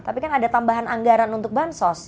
tapi kan ada tambahan anggaran untuk bansos